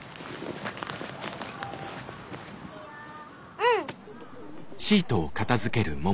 うん。